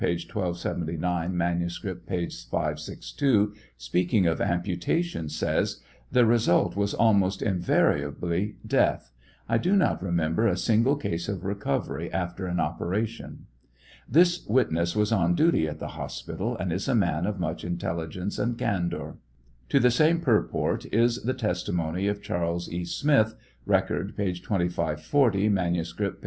1279 ; manuscript, p. 562,) speaking of ampu tation, says : The result was almost invariably death ; I do not remember a single case of recovery after an operation. This witness was on duty at the hospital and is a man of much intelligence and candor. To the same purport is the testimony of Charles E. Smith, (Record, p. 2540; manuscript, p.